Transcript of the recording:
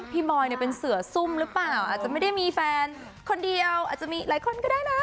บอยเนี่ยเป็นเสือซุ่มหรือเปล่าอาจจะไม่ได้มีแฟนคนเดียวอาจจะมีหลายคนก็ได้นะ